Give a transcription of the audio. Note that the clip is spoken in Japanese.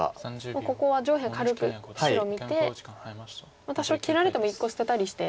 もうここは上辺軽く白見て多少切られても１個捨てたりして。